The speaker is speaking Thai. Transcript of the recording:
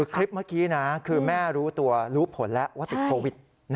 คลิปเมื่อกี้นะคือแม่รู้ตัวรู้ผลแล้วว่าติดโควิด